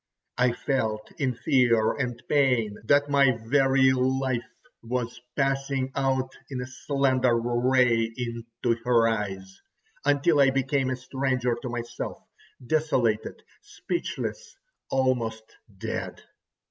I felt in fear and pain that my very life was passing out in a slender ray into her eyes, until I became a stranger to myself—desolated, speechless, almost dead.